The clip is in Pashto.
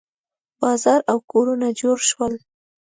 بازار او کورونه جوړ شول.